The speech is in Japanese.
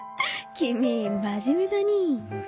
君真面目だねえ。